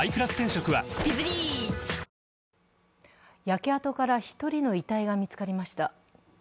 焼け跡から１人の遺体が見つかりました。